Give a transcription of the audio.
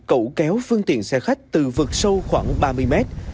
cẩu kéo phương tiện xe khách từ vực sâu khoảng ba mươi mét